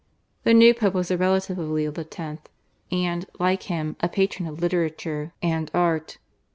The new Pope was a relative of Leo X., and, like him, a patron of literature and art.